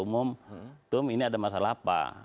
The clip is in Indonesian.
umum tum ini ada masalah apa